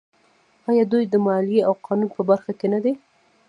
آیا دوی د مالیې او قانون په برخه کې نه دي؟